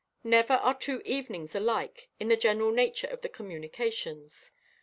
Never are two evenings alike in the general nature of the communications.